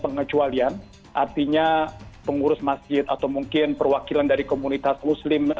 pengecualian artinya pengurus masjid atau mungkin perwakilan dari komunitas muslim